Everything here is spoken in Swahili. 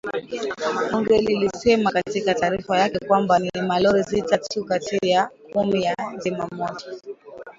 Bunge lilisema katika taarifa yake kwamba ni malori sita tu kati ya kumi ya zimamoto